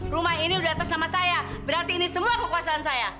rumah ini udah atas nama saya berarti ini semua kekuasaan saya